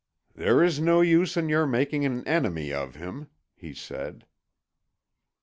"There is no use in your making an enemy of him," he said.